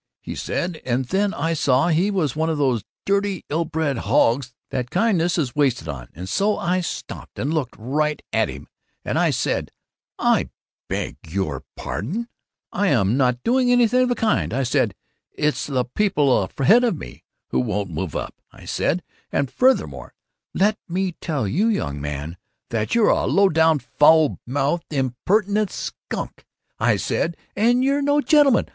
he said, and then I saw he was one of these dirty ill bred hogs that kindness is wasted on, and so I stopped and looked right at him, and I said, 'I beg your pardon, I am not doing anything of the kind,' I said, 'it's the people ahead of me, who won't move up,' I said, 'and furthermore, let me tell you, young man, that you're a low down, foul mouthed, impertinent skunk,' I said, 'and you're no gentleman!